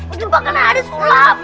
itu bakalan ada sulap